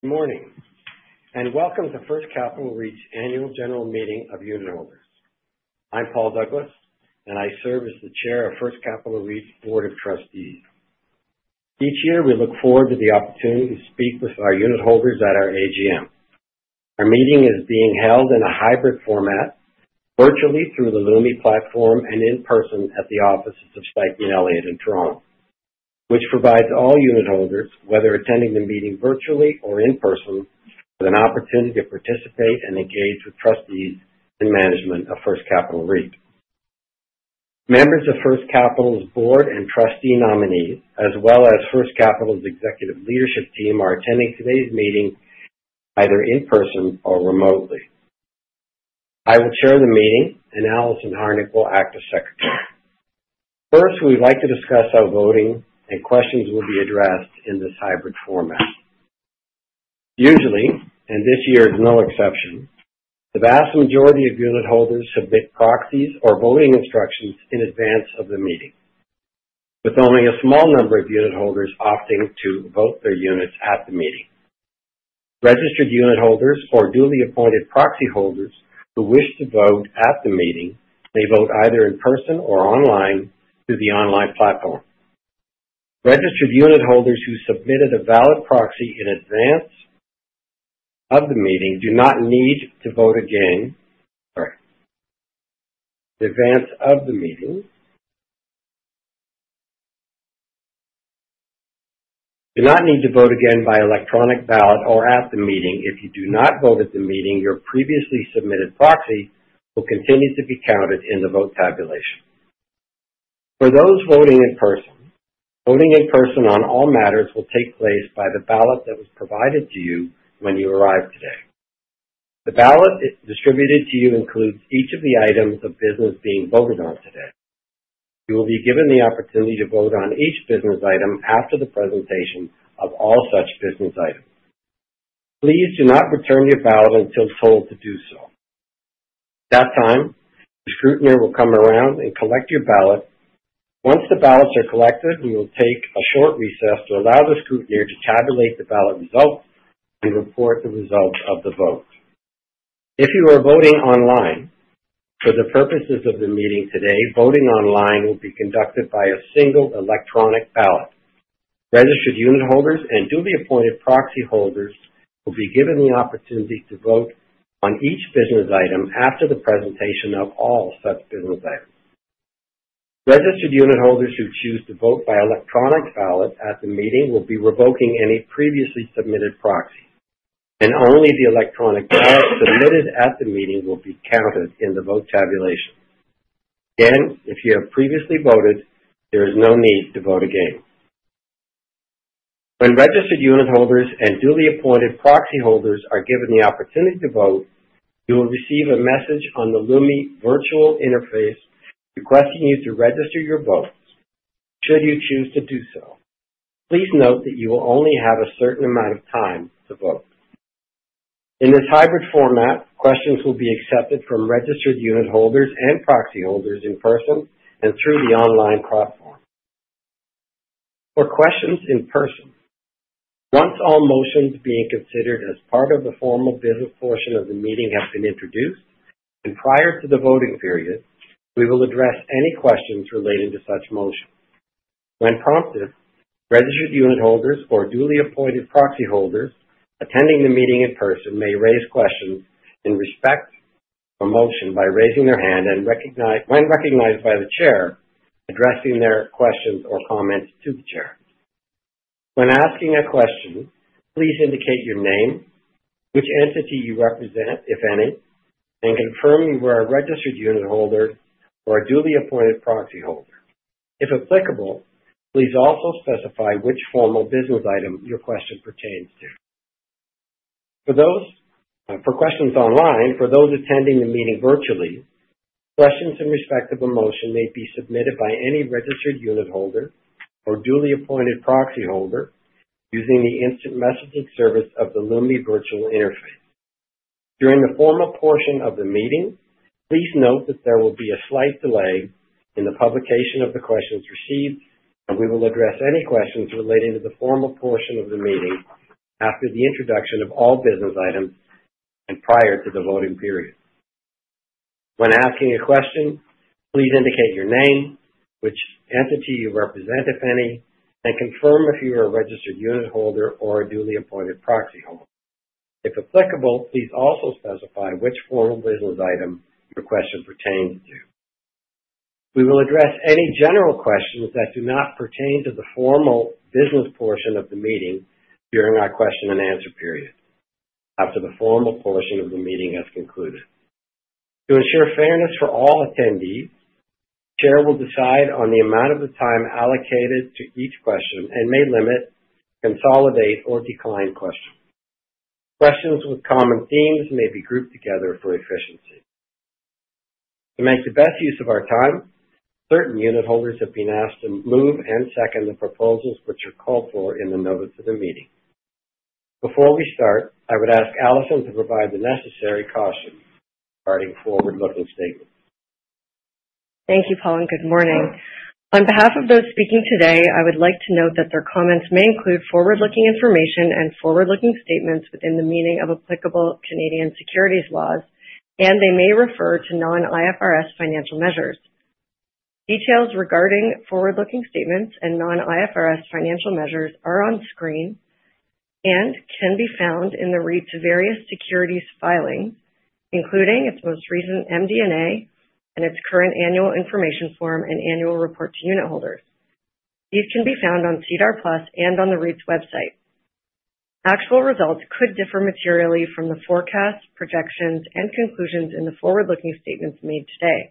Good morning and welcome to First Capital Real Estate Investment Trust's annual general meeting of unit holders. I'm Paul C. Douglas, and I serve as the Chair of First Capital Real Estate Investment Trust's Board of Trustees. Each year, we look forward to the opportunity to speak with our unit holders at our AGM. Our meeting is being held in a hybrid format, virtually through the Lumi platform and in person at the offices of Stikeman Elliott in Toronto, which provides all unit holders, whether attending the meeting virtually or in person, an opportunity to participate and engage with trustees and management of First Capital Real Estate Investment Trust. Members of First Capital Real Estate Investment Trust's board and trustee nominees, as well as First Capital Real Estate Investment Trust's executive leadership team, are attending today's meeting either in person or remotely. I will chair the meeting, and Alison Harnick will act as Secretary. First, we'd like to discuss how voting and questions will be addressed in this hybrid format. Usually, and this year is no exception, the vast majority of unit holders submit proxies or voting instructions in advance of the meeting, with only a small number of unit holders opting to vote their units at the meeting. Registered unit holders or duly appointed proxy holders who wish to vote at the meeting may vote either in person or online through the online platform. Registered unit holders who submitted a valid proxy in advance of the meeting do not need to vote again by electronic ballot or at the meeting. If you do not vote at the meeting, your previously submitted proxy will continue to be counted in the vote tabulation. For those voting in person, voting in person on all matters will take place by the ballot that was provided to you when you arrived today. The ballot distributed to you includes each of the items of business being voted on today. You will be given the opportunity to vote on each business item after the presentation of all such business items. Please do not return your ballot until told to do so. At that time, the scrutineer will come around and collect your ballot. Once the ballots are collected, we will take a short recess to allow the scrutineer to tabulate the ballot results and report the results of the vote. If you are voting online, for the purposes of the meeting today, voting online will be conducted by a single electronic ballot. Registered unit holders and duly appointed proxy holders will be given the opportunity to vote on each business item after the presentation of all such business items. Registered unit holders who choose to vote by electronic ballot at the meeting will be revoking any previously submitted proxy, and only the electronic ballot submitted at the meeting will be counted in the vote tabulation. Again, if you have previously voted, there is no need to vote again. When registered unit holders and duly appointed proxy holders are given the opportunity to vote, you will receive a message on the Lumi virtual interface requesting you to register your vote should you choose to do so. Please note that you will only have a certain amount of time to vote. In this hybrid format, questions will be accepted from registered unit holders and proxy holders in person and through the online platform. For questions in person, once all motions being considered as part of the formal business portion of the meeting have been introduced and prior to the voting period, we will address any questions related to such motions. When prompted, registered unit holders or duly appointed proxy holders attending the meeting in person may raise questions in respect of a motion by raising their hand and, when recognized by the chair, addressing their questions or comments to the chair. When asking a question, please indicate your name, which entity you represent, if any, and confirm you are a registered unit holder or a duly appointed proxy holder. If applicable, please also specify which formal business item your question pertains to. For questions online, for those attending the meeting virtually, questions in respect of a motion may be submitted by any registered unit holder or duly appointed proxy holder using the instant messaging service of the Loomy virtual interface. During the formal portion of the meeting, please note that there will be a slight delay in the publication of the questions received, and we will address any questions relating to the formal portion of the meeting after the introduction of all business items and prior to the voting period. When asking a question, please indicate your name, which entity you represent, if any, and confirm if you are a registered unit holder or a duly appointed proxy holder. If applicable, please also specify which formal business item your question pertains to. We will address any general questions that do not pertain to the formal business portion of the meeting during our question and answer period after the formal portion of the meeting has concluded. To ensure fairness for all attendees, the Chair will decide on the amount of the time allocated to each question and may limit, consolidate, or decline questions. Questions with common themes may be grouped together for efficiency. To make the best use of our time, certain unit holders have been asked to move and second the proposals which are called for in the notice of the meeting. Before we start, I would ask Alison to provide the necessary caution regarding forward-looking statements. Thank you, Paul, and good morning. On behalf of those speaking today, I would like to note that their comments may include forward-looking information and forward-looking statements within the meaning of applicable Canadian securities laws, and they may refer to non-IFRS financial measures. Details regarding forward-looking statements and non-IFRS financial measures are on screen and can be found in the REIT's various securities filings, including its most recent MD&A and its current annual information form and annual report to unit holders. These can be found on SEDAR+ and on the REIT's website. Actual results could differ materially from the forecasts, projections, and conclusions in the forward-looking statements made today.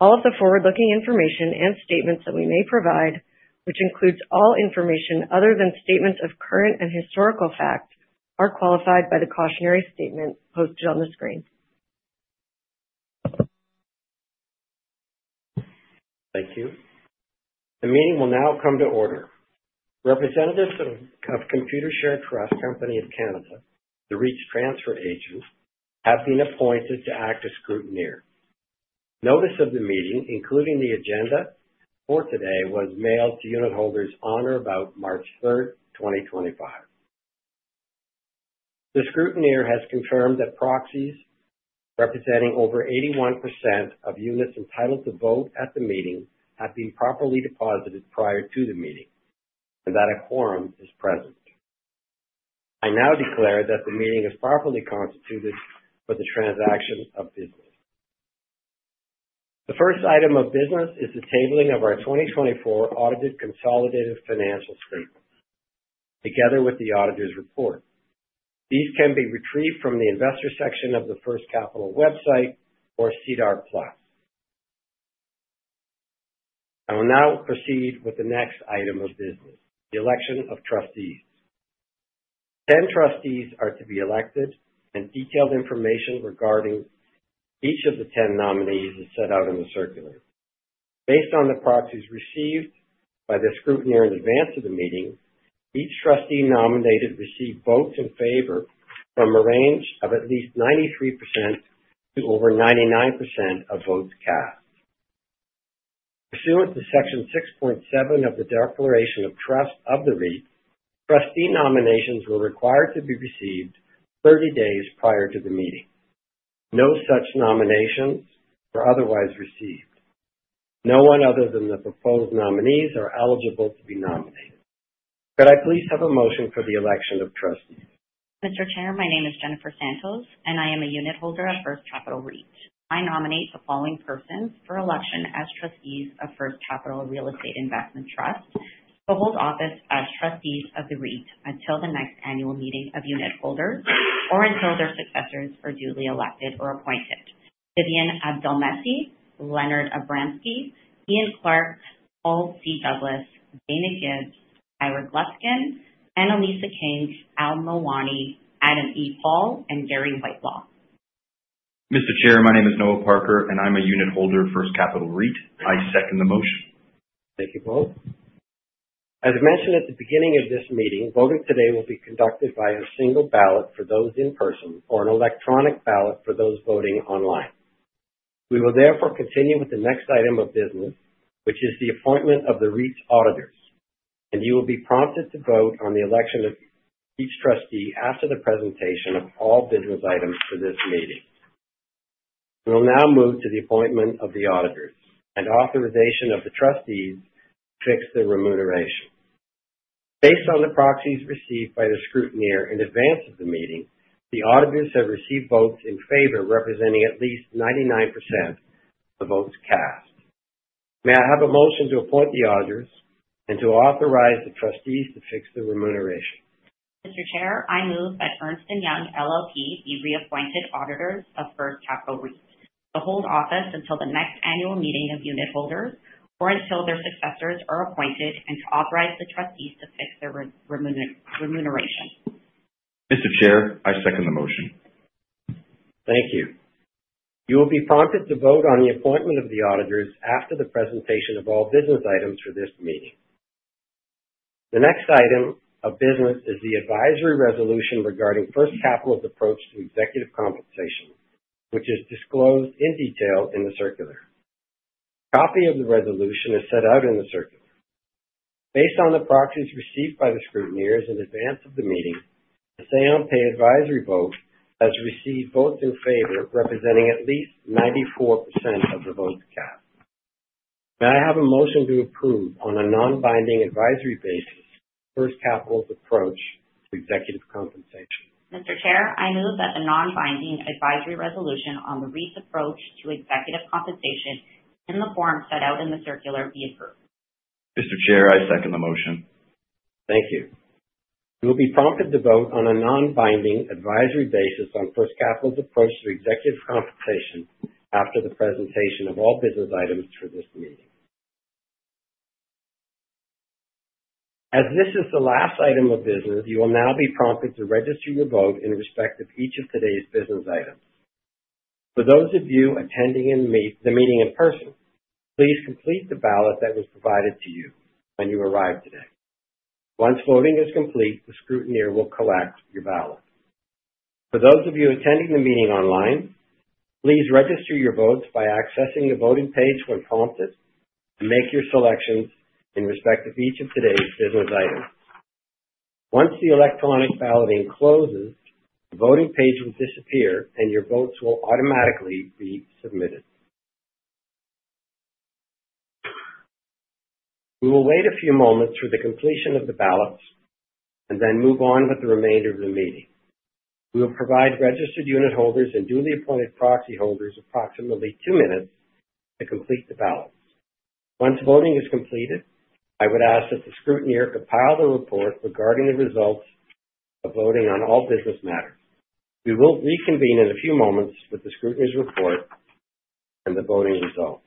All of the forward-looking information and statements that we may provide, which includes all information other than statements of current and historical facts, are qualified by the cautionary statement posted on the screen. Thank you. The meeting will now come to order. Representatives of Computershare Trust Company of Canada, the REIT's transfer agent, have been appointed to act as scrutineer. Notice of the meeting, including the agenda for today, was mailed to unit holders on or about March 3, 2025. The scrutineer has confirmed that proxies representing over 81% of units entitled to vote at the meeting have been properly deposited prior to the meeting and that a quorum is present. I now declare that the meeting is properly constituted for the transaction of business. The first item of business is the tabling of our 2024 audited consolidated financial statements, together with the auditor's report. These can be retrieved from the investor section of the First Capital website or SEDAR+. I will now proceed with the next item of business, the election of trustees. Ten trustees are to be elected, and detailed information regarding each of the ten nominees is set out in the circular. Based on the proxies received by the scrutineer in advance of the meeting, each trustee nominated received votes in favor from a range of at least 93% to over 99% of votes cast. Pursuant to Section 6.7 of the Declaration of Trust of the REIT, trustee nominations were required to be received 30 days prior to the meeting. No such nominations were otherwise received. No one other than the proposed nominees are eligible to be nominated. Could I please have a motion for the election of trustees? Mr. Chair, my name is Jennifer Santos, and I am a unit holder of First Capital Real Estate Investment Trust. I nominate the following persons for election as trustees of First Capital Real Estate Investment Trust to hold office as trustees of the REIT until the next annual meeting of unit holders or until their successors are duly elected or appointed: Vivian Abdelmasih, Leonard Abramsky, Ian Clarke, Paul C. Douglas, Dayna Gibbs, Ira Gluskin, Annalisa King, Al Mawani, Adam E. Paul, and Gary Whitelaw. Mr. Chair, my name is Noah Parker, and I'm a unit holder of First Capital REIT. I second the motion. Thank you, Paul. As mentioned at the beginning of this meeting, voting today will be conducted by a single ballot for those in person or an electronic ballot for those voting online. We will therefore continue with the next item of business, which is the appointment of the REIT's auditors, and you will be prompted to vote on the election of each trustee after the presentation of all business items for this meeting. We will now move to the appointment of the auditors and authorization of the trustees to fix the remuneration. Based on the proxies received by the scrutineer in advance of the meeting, the auditors have received votes in favor representing at least 99% of the votes cast. May I have a motion to appoint the auditors and to authorize the trustees to fix the remuneration? Mr. Chair, I move that Ernst & Young LLP be reappointed auditors of First Capital Real Estate Investment Trust, to hold office until the next annual meeting of unit holders or until their successors are appointed and to authorize the trustees to fix their remuneration. Mr. Chair, I second the motion. Thank you. You will be prompted to vote on the appointment of the auditors after the presentation of all business items for this meeting. The next item of business is the advisory resolution regarding First Capital's approach to executive compensation, which is disclosed in detail in the circular. A copy of the resolution is set out in the circular. Based on the proxies received by the scrutineers in advance of the meeting, the Say on Pay advisory vote has received votes in favor representing at least 94% of the votes cast. May I have a motion to approve on a non-binding advisory basis of First Capital's approach to executive compensation? Mr. Chair, I move that the non-binding advisory resolution on the REIT's approach to executive compensation in the form set out in the circular be approved. Mr. Chair, I second the motion. Thank you. You will be prompted to vote on a non-binding advisory basis on First Capital's approach to executive compensation after the presentation of all business items for this meeting. As this is the last item of business, you will now be prompted to register your vote in respect of each of today's business items. For those of you attending the meeting in person, please complete the ballot that was provided to you when you arrived today. Once voting is complete, the scrutineer will collect your ballot. For those of you attending the meeting online, please register your votes by accessing the voting page when prompted and make your selections in respect of each of today's business items. Once the electronic balloting closes, the voting page will disappear and your votes will automatically be submitted. We will wait a few moments for the completion of the ballots and then move on with the remainder of the meeting. We will provide registered unit holders and duly appointed proxy holders approximately two minutes to complete the ballots. Once voting is completed, I would ask that the scrutineer compile the report regarding the results of voting on all business matters. We will reconvene in a few moments with the scrutineer's report and the voting results.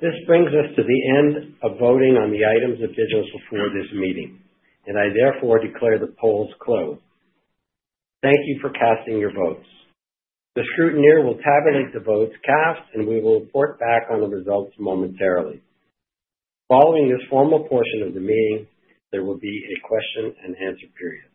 This brings us to the end of voting on the items of business before this meeting, and I therefore declare the polls closed. Thank you for casting your votes. The scrutineer will tabulate the votes cast, and we will report back on the results momentarily. Following this formal portion of the meeting, there will be a question and answer period.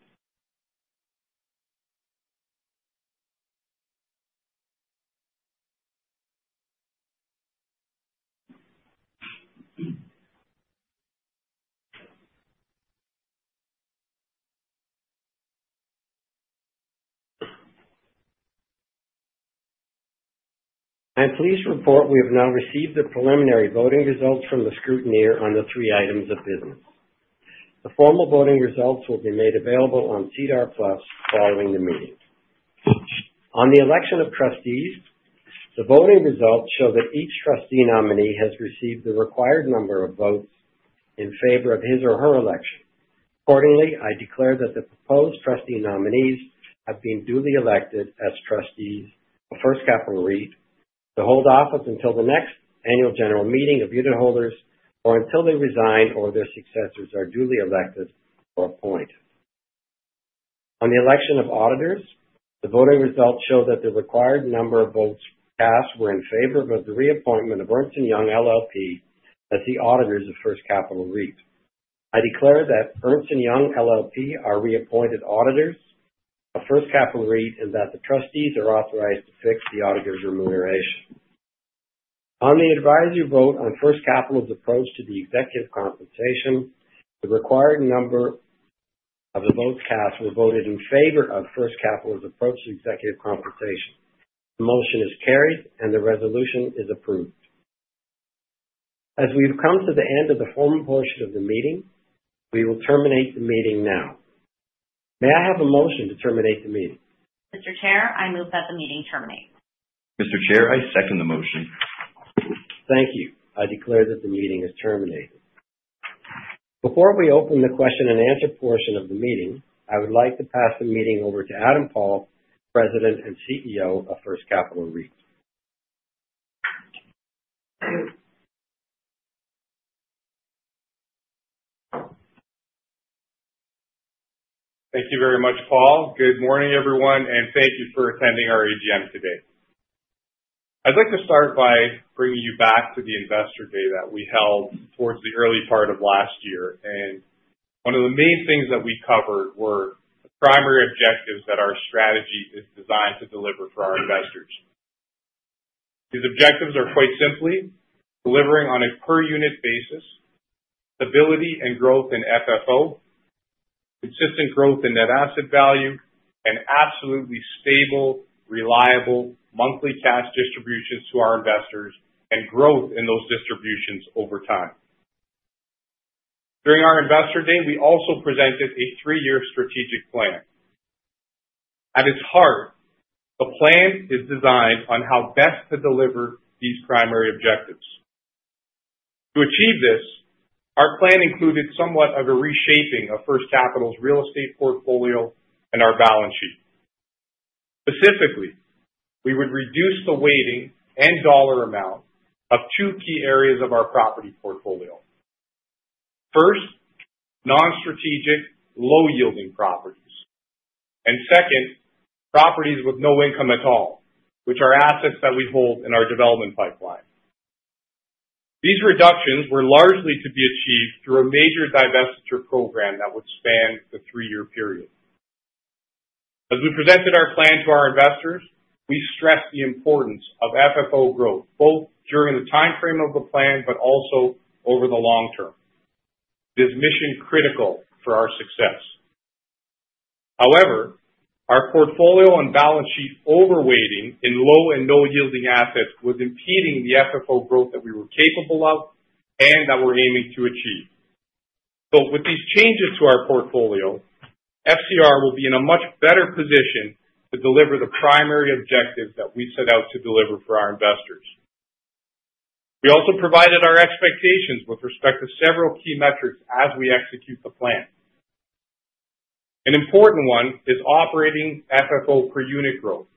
I please report we have now received the preliminary voting results from the scrutineer on the three items of business. The formal voting results will be made available on CDAR Plus following the meeting. On the election of trustees, the voting results show that each trustee nominee has received the required number of votes in favor of his or her election. Accordingly, I declare that the proposed trustee nominees have been duly elected as trustees of First Capital REIT to hold office until the next annual general meeting of unit holders or until they resign or their successors are duly elected or appointed. On the election of auditors, the voting results show that the required number of votes cast were in favor of the reappointment of Ernst & Young LLP as the auditors of First Capital REIT. I declare that Ernst & Young LLP are reappointed auditors of First Capital REIT and that the trustees are authorized to fix the auditor's remuneration. On the advisory vote on First Capital's approach to the executive compensation, the required number of the votes cast were voted in favor of First Capital's approach to executive compensation. The motion is carried, and the resolution is approved. As we have come to the end of the formal portion of the meeting, we will terminate the meeting now. May I have a motion to terminate the meeting? Mr. Chair, I move that the meeting terminate. Mr. Chair, I second the motion. Thank you. I declare that the meeting is terminated. Before we open the question and answer portion of the meeting, I would like to pass the meeting over to Adam Paul, President and CEO of First Capital REIT. Thank you very much, Paul. Good morning, everyone, and thank you for attending our AGM today. I'd like to start by bringing you back to the investor day that we held towards the early part of last year, and one of the main things that we covered were the primary objectives that our strategy is designed to deliver for our investors. These objectives are quite simply delivering on a per-unit basis, stability and growth in FFO, consistent growth in net asset value, and absolutely stable, reliable monthly cash distributions to our investors and growth in those distributions over time. During our investor day, we also presented a three-year strategic plan. At its heart, the plan is designed on how best to deliver these primary objectives. To achieve this, our plan included somewhat of a reshaping of First Capital's real estate portfolio and our balance sheet. Specifically, we would reduce the weighting and dollar amount of two key areas of our property portfolio. First, non-strategic, low-yielding properties, and second, properties with no income at all, which are assets that we hold in our development pipeline. These reductions were largely to be achieved through a major divestiture program that would span the three-year period. As we presented our plan to our investors, we stressed the importance of FFO growth both during the timeframe of the plan but also over the long term. This mission is critical for our success. However, our portfolio and balance sheet overweighting in low and no-yielding assets was impeding the FFO growth that we were capable of and that we're aiming to achieve. With these changes to our portfolio, FCR will be in a much better position to deliver the primary objectives that we set out to deliver for our investors. We also provided our expectations with respect to several key metrics as we execute the plan. An important one is operating FFO per unit growth,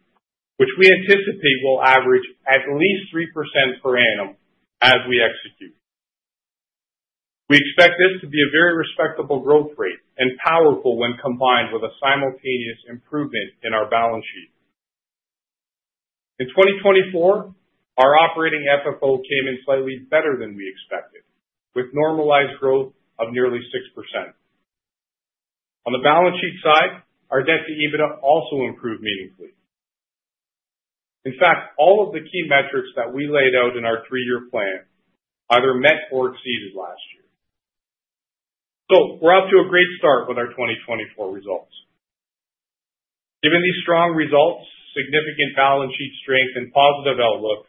which we anticipate will average at least 3% per annum as we execute. We expect this to be a very respectable growth rate and powerful when combined with a simultaneous improvement in our balance sheet. In 2024, our operating FFO came in slightly better than we expected, with normalized growth of nearly 6%. On the balance sheet side, our debt to EBITDA also improved meaningfully. In fact, all of the key metrics that we laid out in our three-year plan either met or exceeded last year. We are off to a great start with our 2024 results. Given these strong results, significant balance sheet strength, and positive outlook,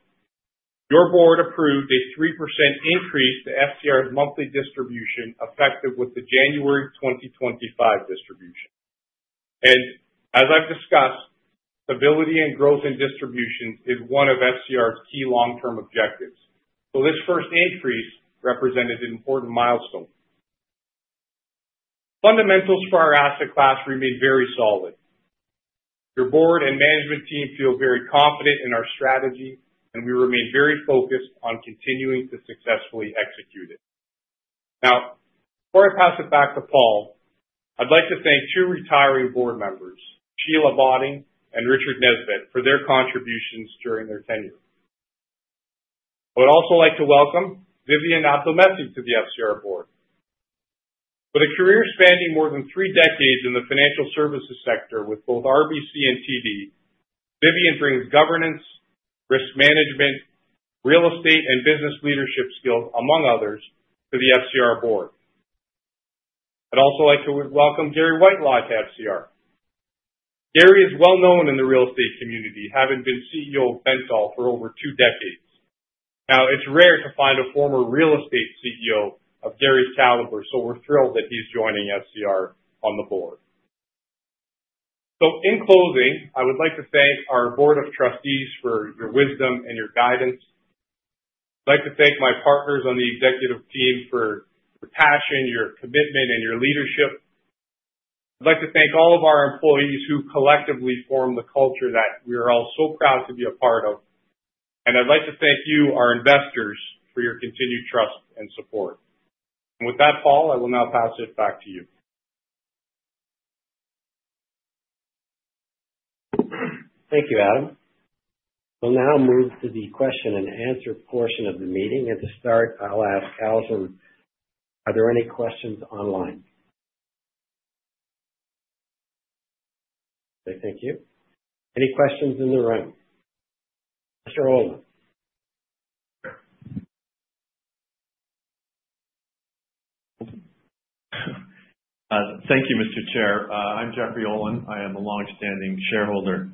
your board approved a 3% increase to FCR's monthly distribution effective with the January 2025 distribution. As I have discussed, stability and growth in distributions is one of FCR's key long-term objectives. This first increase represented an important milestone. Fundamentals for our asset class remain very solid. Your board and management team feel very confident in our strategy, and we remain very focused on continuing to successfully execute it. Before I pass it back to Paul, I would like to thank two retiring board members, Sheila Botting and Richard Nesbitt, for their contributions during their tenure. I would also like to welcome Vivian Abdelmasih to the FCR board. With a career spanning more than three decades in the financial services sector with both RBC and TD, Vivian brings governance, risk management, real estate, and business leadership skills, among others, to the FCR board. I would also like to welcome Gary Whitelaw to FCR. Gary is well-known in the real estate community, having been CEO of Bentall for over two decades. Now, it's rare to find a former real estate CEO of Gary's caliber, so we're thrilled that he's joining FCR on the board. In closing, I would like to thank our board of trustees for your wisdom and your guidance. I'd like to thank my partners on the executive team for your passion, your commitment, and your leadership. I'd like to thank all of our employees who collectively form the culture that we are all so proud to be a part of. I'd like to thank you, our investors, for your continued trust and support. With that, Paul, I will now pass it back to you. Thank you, Adam. We'll now move to the question and answer portion of the meeting. To start, I'll ask Alison, are there any questions online? Okay, thank you. Any questions in the room? Mr. Owen. Thank you, Mr. Chair. I'm Jeffrey Owen. I am a longstanding shareholder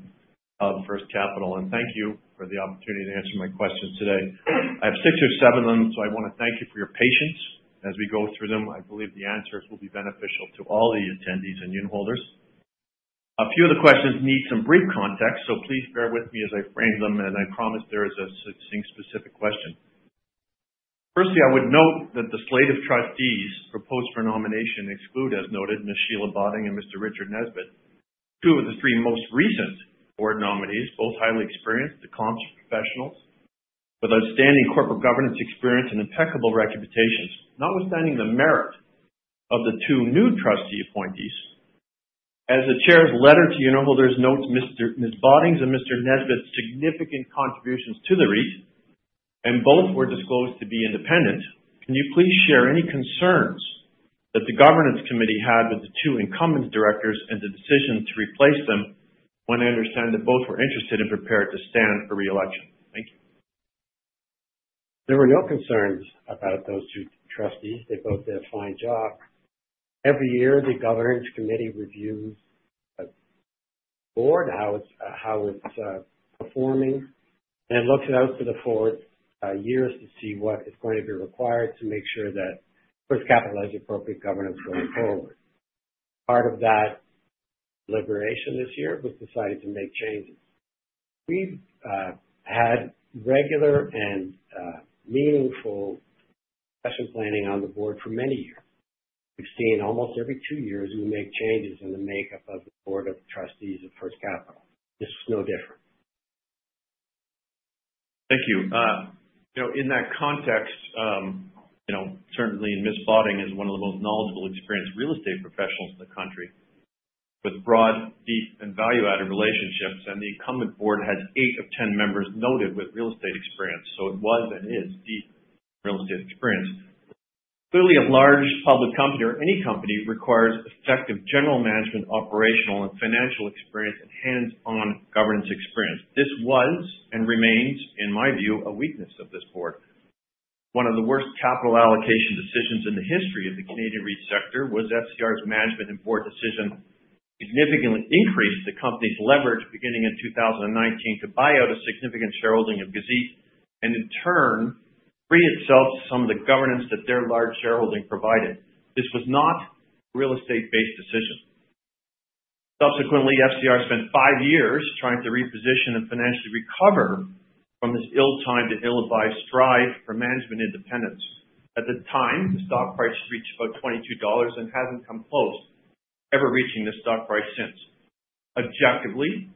of First Capital, and thank you for the opportunity to answer my questions today. I have six or seven of them, so I want to thank you for your patience as we go through them. I believe the answers will be beneficial to all the attendees and unit holders. A few of the questions need some brief context, so please bear with me as I frame them, and I promise there is a succinct specific question. Firstly, I would note that the slate of trustees proposed for nomination exclude, as noted, Ms. Sheila Botting and Mr. Richard Nesbitt, two of the three most recent board nominees, both highly experienced, accomplished professionals with outstanding corporate governance experience and impeccable reputations, notwithstanding the merit of the two new trustee appointees. As the chair's letter to unit holders notes Ms. Botting's and Mr. Nesbitt significant contributions to the REIT, and both were disclosed to be independent, can you please share any concerns that the governance committee had with the two incumbent directors and the decision to replace them when I understand that both were interested and prepared to stand for reelection? Thank you. There were no concerns about those two trustees. They both did a fine job. Every year, the governance committee reviews the board, how it's performing, and looks out to the forward years to see what is going to be required to make sure that First Capital has appropriate governance going forward. Part of that deliberation this year was decided to make changes. We've had regular and meaningful session planning on the board for many years. We've seen almost every two years we make changes in the makeup of the board of trustees of First Capital. This was no different. Thank you. In that context, certainly Ms. Botting is one of the most knowledgeable, experienced real estate professionals in the country with broad, deep, and value-added relationships, and the incumbent board has eight of ten members noted with real estate experience. It was and is deep real estate experience. Clearly, a large public company or any company requires effective general management, operational, and financial experience and hands-on governance experience. This was and remains, in my view, a weakness of this board. One of the worst capital allocation decisions in the history of the Canadian REIT sector was FCR's management and board decision to significantly increase the company's leverage beginning in 2019 to buy out a significant shareholding of Gazit-Globe and, in turn, free itself to some of the governance that their large shareholding provided. This was not a real estate-based decision. Subsequently, FCR spent five years trying to reposition and financially recover from this ill-timed and ill-advised strive for management independence. At the time, the stock price reached about 22 dollars and has not come close, ever reaching this stock price since. Objectively,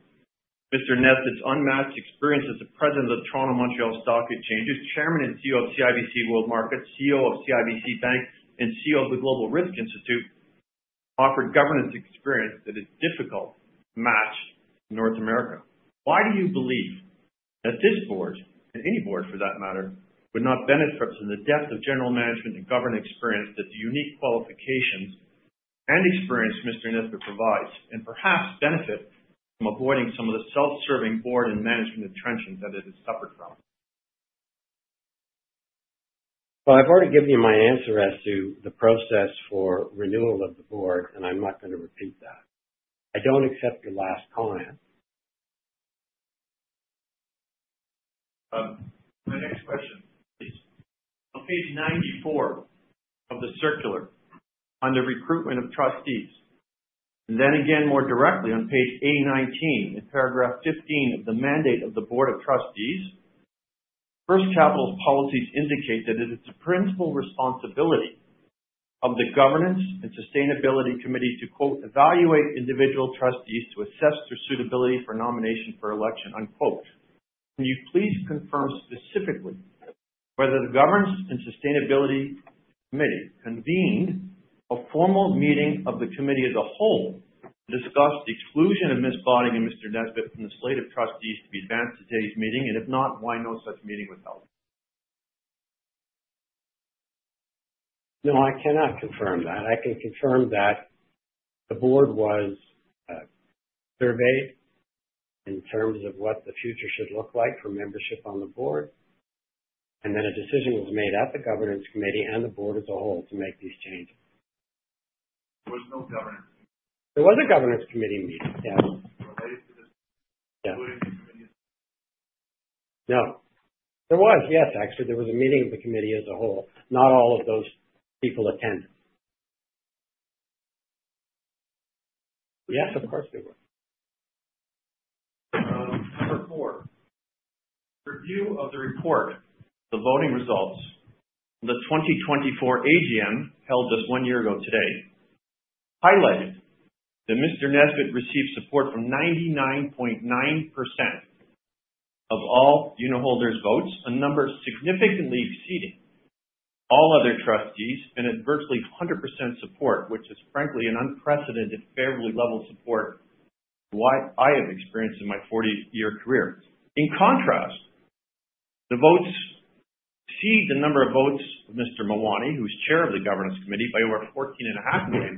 Mr. Nesbet's unmatched experience as the President of the Toronto Montreal Stock Exchange, Chairman and CEO of CIBC World Markets, CEO of CIBC Bank, and CEO of the Global Risk Institute offered governance experience that is difficult to match in North America. Why do you believe that this board, and any board for that matter, would not benefit from the depth of general management and governance experience that the unique qualifications and experience Mr. Nesbet provides and perhaps benefit from avoiding some of the self-serving board and management entrenchments that it has suffered from? I've already given you my answer as to the process for renewal of the board, and I'm not going to repeat that. I don't accept your last comment. My next question, please. On page 94 of the circular on the recruitment of trustees, and then again more directly on page A19 in paragraph 15 of the mandate of the board of trustees, First Capital's policies indicate that it is the principal responsibility of the governance and sustainability committee to "evaluate individual trustees to assess their suitability for nomination for election." Can you please confirm specifically whether the governance and sustainability committee convened a formal meeting of the committee as a whole to discuss the exclusion of Ms. Botting and Mr. Nesbet from the slate of trustees to be advanced to today's meeting, and if not, why no such meeting was held? No, I cannot confirm that. I can confirm that the board was surveyed in terms of what the future should look like for membership on the board, and then a decision was made at the governance committee and the board as a whole to make these changes. There was no governance meeting. There was a governance committee meeting, yes. Related to this? No. There was, yes, actually. There was a meeting of the committee as a whole. Not all of those people attended. Yes, of course there were. Number four. Review of the report, the voting results, the 2024 AGM held just one year ago today highlighted that Mr. Nesbet received support from 99.9% of all unit holders' votes, a number significantly exceeding all other trustees and at virtually 100% support, which is frankly an unprecedented favorable level of support from what I have experienced in my 40-year career. In contrast, the votes exceed the number of votes of Mr. Mawani, who's Chair of the Governance Committee, by over 14.5 million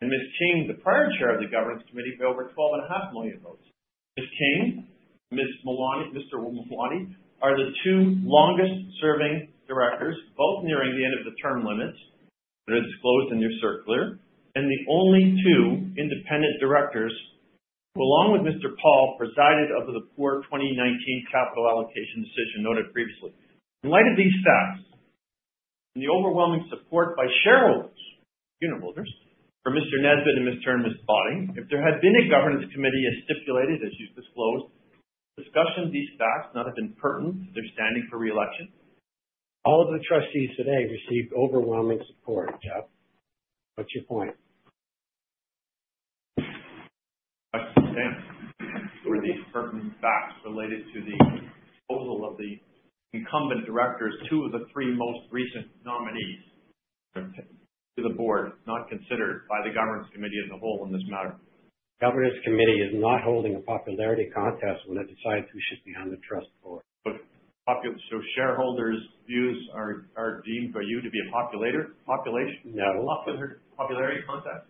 votes, and Ms. Kane, the prior Chair of the Governance Committee, by over 12.5 million votes. Ms. Kane and Mr. Mawani are the two longest-serving directors, both nearing the end of the term limits that are disclosed in your circular, and the only two independent directors who, along with Mr. Paul, presided over the poor 2019 capital allocation decision noted previously. In light of these facts and the overwhelming support by shareholders, unit holders, for Mr. Nesbitt in his term, Ms. Botting, if there had been a governance committee as stipulated, as you've disclosed, discussion of these facts not have been pertinent to their standing for reelection? All of the trustees today received overwhelming support, Jeff. What's your point? I can stand for these pertinent facts related to the proposal of the incumbent directors, two of the three most recent nominees to the board, not considered by the governance committee as a whole in this matter. Governance committee is not holding a popularity contest when it decides who should be on the trust board. Shareholders' views are deemed by you to be a populator, population? No. Popularity contest?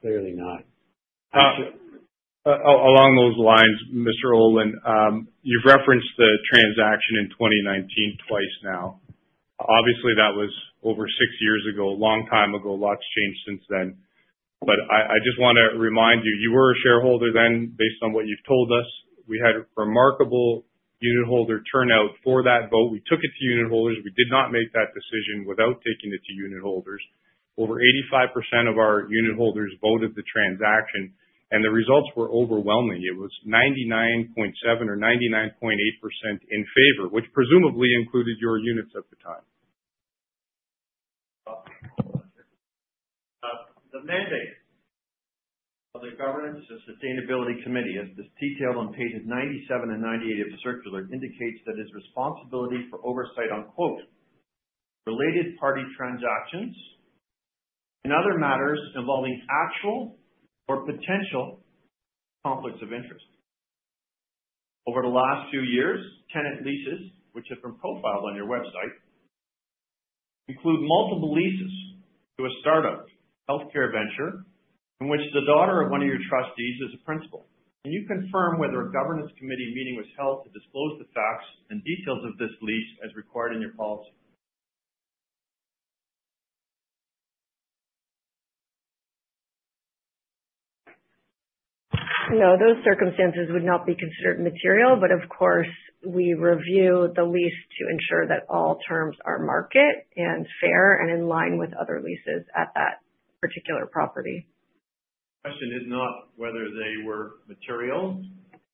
Clearly not. Along those lines, Mr. Owen, you've referenced the transaction in 2019 twice now. Obviously, that was over six years ago, a long time ago. Lots changed since then. I just want to remind you, you were a shareholder then, based on what you've told us. We had remarkable unit holder turnout for that vote. We took it to unit holders. We did not make that decision without taking it to unit holders. Over 85% of our unit holders voted the transaction, and the results were overwhelming. It was 99.7% or 99.8% in favor, which presumably included your units at the time. The mandate of the governance and sustainability committee, as detailed on pages 97 and 98 of the circular, indicates that its responsibility for oversight on "related party transactions and other matters involving actual or potential conflicts of interest." Over the last few years, tenant leases, which have been profiled on your website, include multiple leases to a startup healthcare venture in which the daughter of one of your trustees is a principal. Can you confirm whether a governance committee meeting was held to disclose the facts and details of this lease as required in your policy? No, those circumstances would not be considered material, but of course, we review the lease to ensure that all terms are market and fair and in line with other leases at that particular property. The question is not whether they were material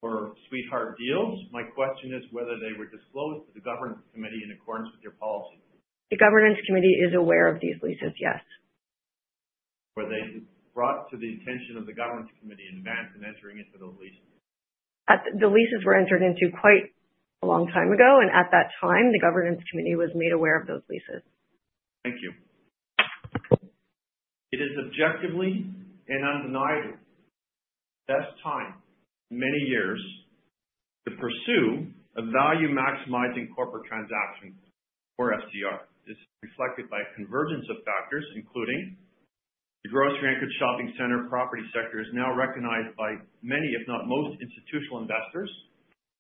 or sweetheart deals. My question is whether they were disclosed to the governance committee in accordance with your policy. The governance committee is aware of these leases, yes. Were they brought to the attention of the governance committee in advance of entering into those leases? The leases were entered into quite a long time ago, and at that time, the governance committee was made aware of those leases. Thank you. It is objectively and undeniably the best time in many years to pursue a value-maximizing corporate transaction for FCR. This is reflected by a convergence of factors, including the grocery-anchored shopping center property sector is now recognized by many, if not most, institutional investors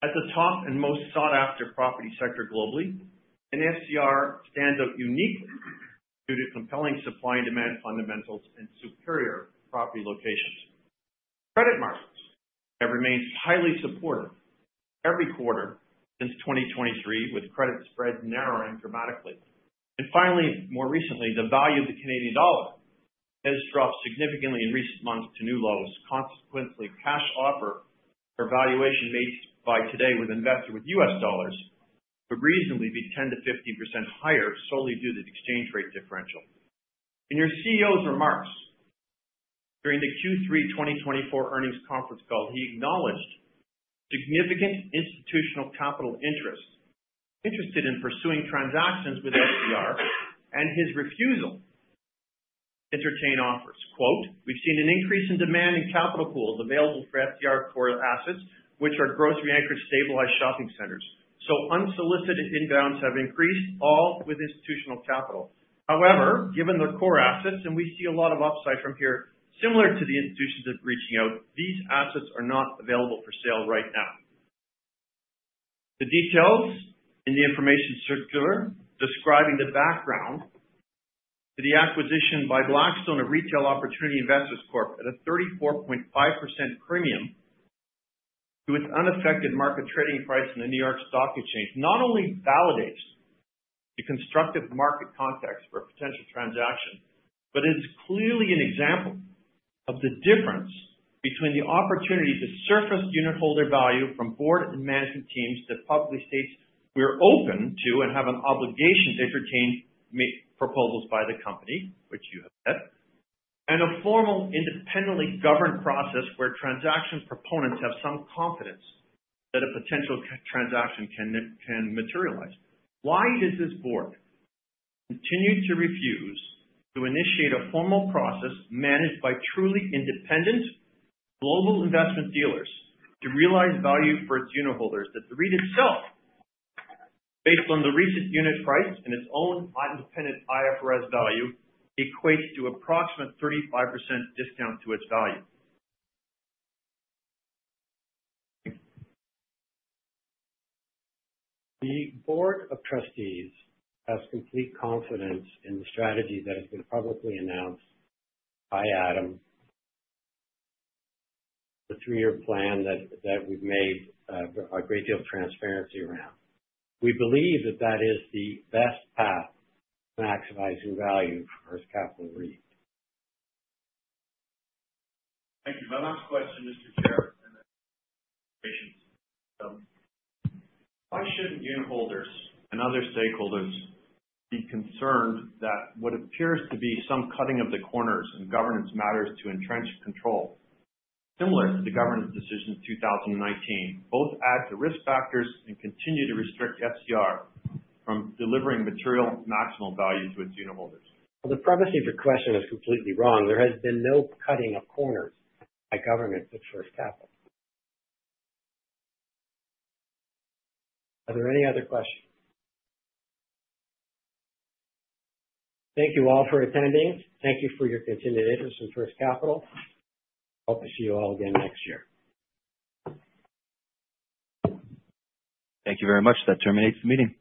as the top and most sought-after property sector globally, and FCR stands out uniquely due to compelling supply and demand fundamentals and superior property locations. Credit markets have remained highly supportive every quarter since 2023, with credit spreads narrowing dramatically. Finally, more recently, the value of the Canadian dollar has dropped significantly in recent months to new lows. Consequently, cash offer or valuation made by today with investor with US dollars would reasonably be 10 to 15% higher solely due to the exchange rate differential. In your CEO's remarks during the Q3 2024 earnings conference call, he acknowledged significant institutional capital interest interested in pursuing transactions with FCR and his refusal to entertain offers. "We've seen an increase in demand and capital pools available for FCR core assets, which are grocery-anchored stabilized shopping centers. Unsolicited inbounds have increased, all with institutional capital. However, given the core assets, and we see a lot of upside from here, similar to the institutions that are reaching out, these assets are not available for sale right now. The details in the information circular describing the background to the acquisition by Blackstone of Retail Opportunity Investments Corp at a 34.5% premium to its unaffected market trading price in the New York Stock Exchange not only validates the constructive market context for a potential transaction, but it is clearly an example of the difference between the opportunity to surface unit holder value from board and management teams that publicly states. "We're open to and have an obligation to entertain proposals by the company," which you have said, and a formal independently governed process where transaction proponents have some confidence that a potential transaction can materialize. Why does this board continue to refuse to initiate a formal process managed by truly independent global investment dealers to realize value for its unit holders that the REIT itself, based on the recent unit price and its own independent IFRS value, equates to approximately a 35% discount to its value? The board of trustees has complete confidence in the strategy that has been publicly announced by Adam, the 3 year plan that we've made a great deal of transparency around. We believe that that is the best path to maximizing value for First Capital REIT. Thank you. My last question, Mr. Chair, and then patience. Why shouldn't unit holders and other stakeholders be concerned that what appears to be some cutting of the corners in governance matters to entrench control similar to the governance decision in 2019 both add to risk factors and continue to restrict FCR from delivering material maximal value to its unit holders? The premise of your question is completely wrong. There has been no cutting of corners by governance with First Capital. Are there any other questions? Thank you all for attending. Thank you for your continued interest in First Capital. Hope to see you all again next year. Thank you very much. That terminates the meeting.